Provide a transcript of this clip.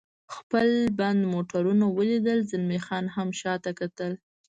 خپل بند موټرونه ولیدل، زلمی خان هم شاته کتل.